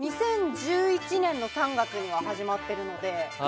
２０１１年の３月には始まってるので。